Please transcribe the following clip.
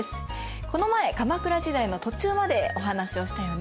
この前鎌倉時代の途中までお話をしたよね。